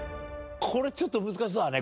これちょっと難しそうだね